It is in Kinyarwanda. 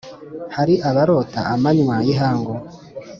Hari abarota amanywa y ' ihangu,